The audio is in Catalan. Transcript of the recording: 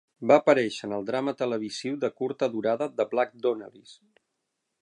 Va aparèixer en el drama televisiu de curta durada "The Black Donnellys".